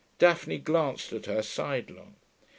Daphne glanced at her sidelong.